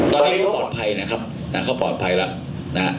ตอนนี้เขาปลอดภัยนะครับนะเขาปลอดภัยแล้วนะฮะ